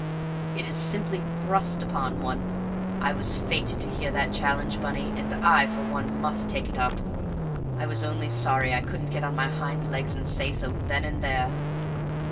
It is simply thrust upon one. I was fated to hear that challenge, Bunny, and I, for one, must take it up. I was only sorry I couldn't get on my hind legs and say so then and there."